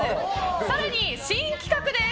更に、新企画です。